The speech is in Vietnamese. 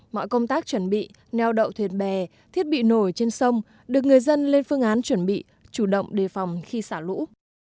mọi công tác chuẩn bị neo đậu thuyền bè thiết bị nổi trên sông được người dân lên phương án chuẩn bị chủ động đề phòng khi xả lũ